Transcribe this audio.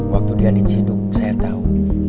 waktu dia diciduk saya tahu